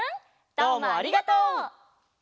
どうもありがとう。